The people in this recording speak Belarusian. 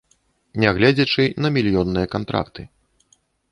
Нягледзячы на мільённыя кантракты.